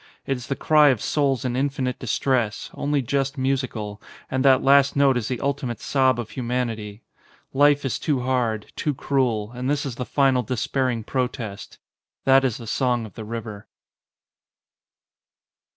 It is the cry of souls in infinite distress, only just musical, and that last note is the ultimate sob of humanity. Life is too hard, too cruel, and this is the final despairing protest. That is the song of the river.